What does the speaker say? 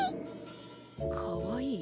かわいい？